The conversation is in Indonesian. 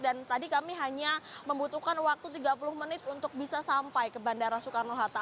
dan tadi kami hanya membutuhkan waktu tiga puluh menit untuk bisa sampai ke bandara soekarno hatta